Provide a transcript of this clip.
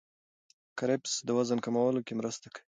کرفس د وزن کمولو کې مرسته کوي.